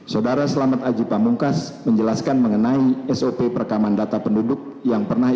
saudara selamat aji pamungkas menjelaskan mengenai sop perekaman data penduduk yang pernah